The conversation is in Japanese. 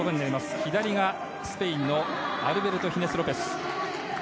左がスペインのアルベルト・ヒネス・ロペス。